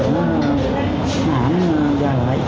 nó ảnh ra rồi